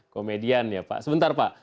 komedian ya pak sebentar pak